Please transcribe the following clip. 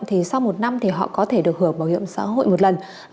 thì sau một năm thì họ có thể được hưởng bảo hiểm xã hội một lần